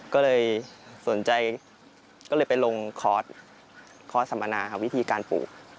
ก็เลยสนใจก็เลยไปลงคอร์สคอร์สสัมมนาวิธีการปลูก